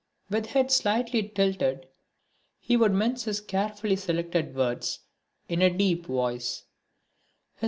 With head slightly tilted he would mince his carefully selected words in a deep voice.